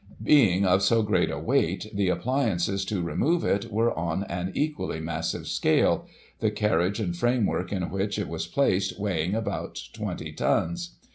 Being of so great a weight, the appliances to remove it were on an equally massive scale, the carriage and framework in which it was placed weighing about 20 tons.